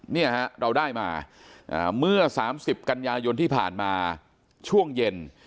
เนี่ยฮะเราได้มาเมื่อ๓๐กันยายนที่ผ่านมาช่วงเย็น